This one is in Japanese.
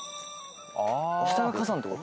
下が火山って事？